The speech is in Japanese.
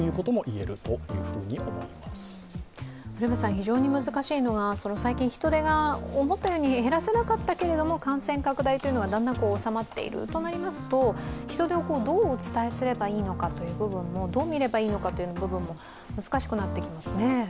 非常に難しいのが、最近人出が思ったように減らせなかったけれども、感染拡大というのが、だんだん収まっているとなりますと人出をどうお伝えすればいいのか、どう見ればいいのかという部分も難しくなってきますね。